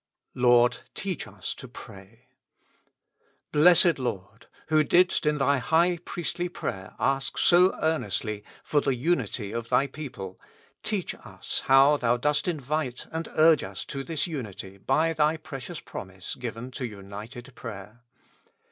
"Lord, teach us to pray." Blessed Lord ! who didst in Thy high priestly prayer ask so earnestly for the unity of Thy people, teach us how Thou dost invite and urge us to this 122 With Christ in the School of Prayer. unity by Thy precious promise given to united prayer.